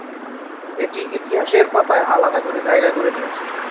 এটি ইতিহাসের পাতায় আলাদা করে জায়গা করে নিয়েছে।